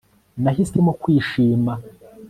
Nahisemo kwishima